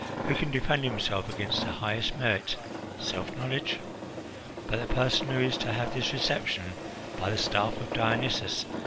"Who can defend himself against the highest merit, self knowledge? But the person who is to have this reception, by the staff of Dionysus!